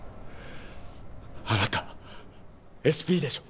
あなたＳＰでしょ。